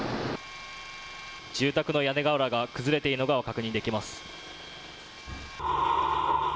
住宅の屋根瓦が崩れているのが確認できます。